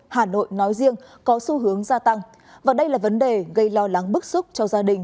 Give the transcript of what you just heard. hà nội nói riêng có xu hướng gia tăng và đây là vấn đề gây lo lắng bức xúc cho gia đình